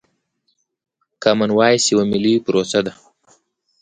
کامن وايس يوه ملي پروسه ده.